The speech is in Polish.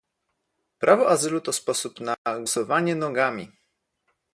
Prawo azylu to sposób na "głosowanie nogami"